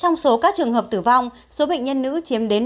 trong số các trường hợp tử vong số bệnh nhân nữ chiếm đến năm mươi tám năm